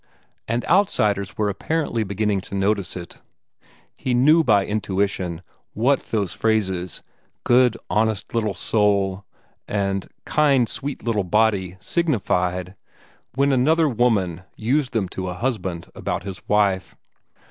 And outsiders were apparently beginning to notice it. He knew by intuition what those phrases, "good, honest little soul" and "kind, sweet little body" signified, when another woman used them to a husband about his wife.